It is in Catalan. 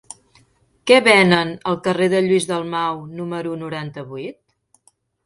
Què venen al carrer de Lluís Dalmau número noranta-vuit?